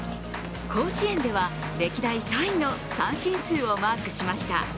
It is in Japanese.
甲子園では歴代３位の三振数をマークしました。